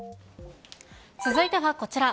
続いてはこちら。